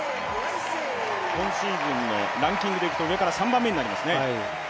今シーズンのランキングでいくと上から３番目になります。